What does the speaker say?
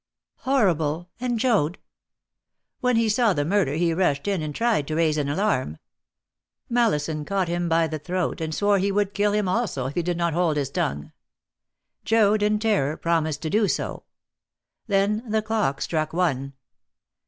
"Horrible! And Joad?" "When he saw the murder he rushed in, and tried to raise an alarm. Mallison caught him by the throat, and swore he would kill him also if he did not hold his tongue. Joad, in terror, promised to do so. Then the clock struck one.